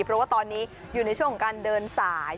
เพราะว่าตอนนี้อยู่ในช่วงของการเดินสาย